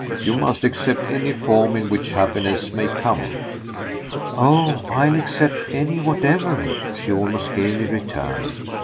You must accept any form in which happiness may come." "Oh I'll accept any whatever!" she almost gaily returned.